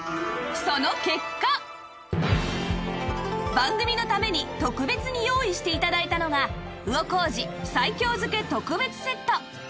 番組のために特別に用意して頂いたのが魚小路西京漬け特別セット